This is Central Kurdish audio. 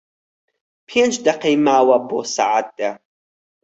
پێنج دەقەی ماوە بۆ سەعات دە.